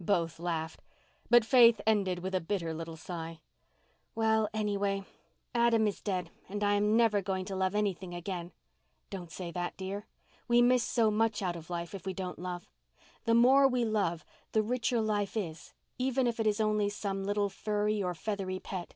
Both laughed; but Faith ended with a bitter little sigh. "Well, anyway, Adam is dead and I am never going to love anything again." "Don't say that, dear. We miss so much out of life if we don't love. The more we love the richer life is—even if it is only some little furry or feathery pet.